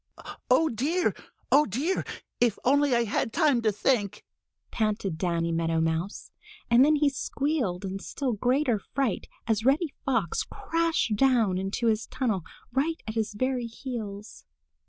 "Oh, dear! Oh, dear! If only I had time to think!" panted Danny Meadow Mouse, and then he squealed in still greater fright as Reddy Fox crashed down into his tunnel right at his very heels.